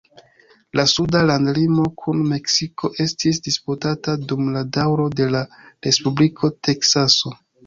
La suda landlimo kun Meksiko estis disputata dum la daŭro de la Respubliko Teksaso.